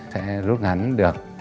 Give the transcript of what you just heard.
sẽ rút ngắn được